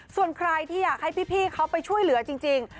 ส่วนใครที่อยากให้พี่เขาไปช่วยเหลือจริง